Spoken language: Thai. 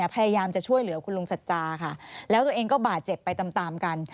พยายามจะช่วยเหลือคุณลุงสัจจาค่ะแล้วตัวเองก็บาดเจ็บไปตามตามกัน